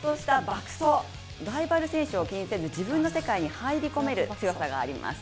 ライバル選手を気にせず、自分の世界に入り込める強さがあります。